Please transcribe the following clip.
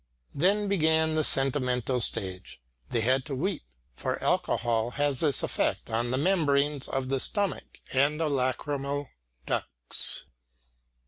Then began the sentimental stage. They had to weep, for alcohol has this effect on the membranes of the stomach and the lachrymal duets.